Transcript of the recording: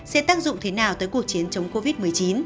sẽ tác dụng thế nào tới cuộc chiến chống covid một mươi chín